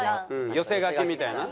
寄せ書きみたいな。